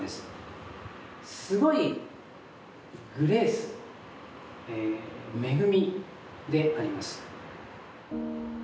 すごいグレース恵みであります。